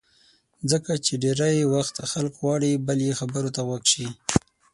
ځکه چې ډېری وخت خلک غواړي بل یې خبرو ته غوږ شي.